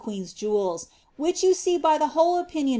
73 queen's jewels, which you see by the whole opinion o.